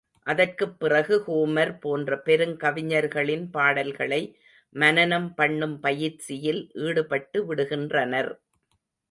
அதற்குப் பிறகு ஹோமர் போன்ற பெருங் கவிஞர்களின் பாடல்களை மனனம் பண்ணும் பயிற்சியில் ஈடுபட்டு விடுகின்றனர்.